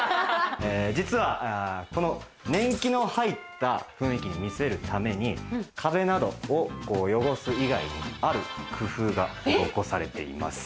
実は年季の入った雰囲気に見せるために壁などを汚す以外にある工夫が施されています。